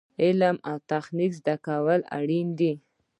علم او تخنیک زده کول اړین دي